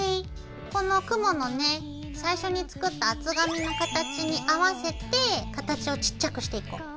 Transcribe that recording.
この雲のね最初に作った厚紙の形に合わせて形をちっちゃくしていこう。